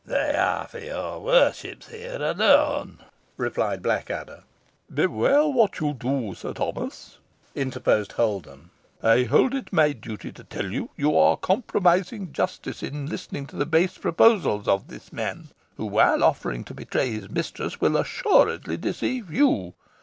"They are for your worship's ear alone," replied Blackadder. "Beware what you do, Sir Thomas," interposed Holden. "I hold it my duty to tell you, you are compromising justice in listening to the base proposals of this man, who, while offering to betray his mistress, will assuredly deceive you.